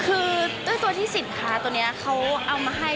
คือเจ้าตัวที่สินค้าตัวนี้เขาเอามาให้